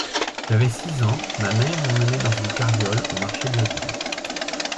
J'avais six ans, ma mère m'emmenait dans une carriole au marché de la ville.